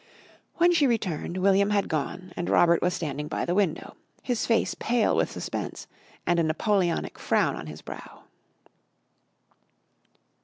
When she returned, William had gone and Robert was standing by the window, his face pale with suspense, and a Napoleonic frown on his brow.